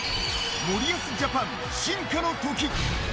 森保ジャパン、進化の時。